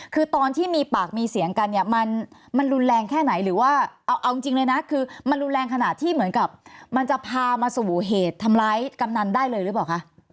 คือตอนที่มีปากมีเสียงกันเนี่ยมันรุนแรงแค่ไหนหรือว่าเอาจริงเลยนะคือมันรุนแรงขนาดที่เหมือนกับมันจะพามาสู่เหตุทำร้ายกำนันได้เลยหรือเปล่าคะ